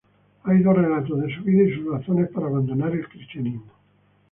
Hay dos relatos de su vida y sus razones para abandonar el cristianismo.